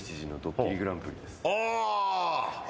ああ。